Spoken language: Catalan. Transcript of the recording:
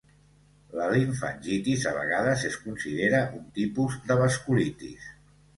La limfangitis a vegades es considera un tipus de vasculitis.